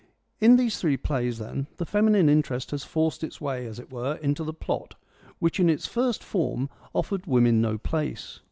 In these three plays, then, the feminine interest has forced its way, as it were, into the plot, which in 72 FEMINISM IN GREEK LITERATURE its first form offered women no place.